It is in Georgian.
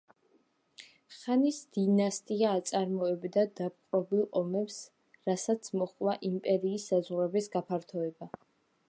ხანის დინასტია აწარმოებდა დამპყრობლურ ომებს, რასაც მოჰყვა იმპერიის საზღვრების გაფართოება.